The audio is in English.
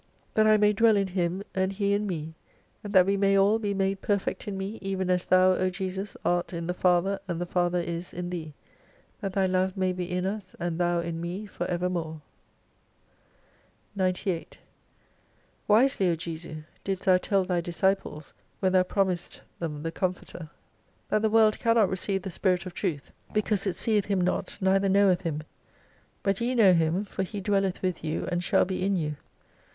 That I may dwell in Him, and He in me : and that v/e all may be made per fect in me, even as Thou, O Jesus, art in the Father, and the Father is in Thee : that Thy love may be in us, and Thou in me for evermore, 98 Wisely, O Jesu, didst Thou tell Thy disciples, when Thou promisedst them the Comforter, that the world 75 cannot receive the Spirit of Truth : because it seeth Him not neither knoweth Him. But ye know Him, for He dwelleth with you, and shall be in you.